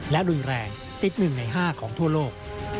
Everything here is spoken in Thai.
และรุนแรงติดหนึ่งในห้าของทั่วโลก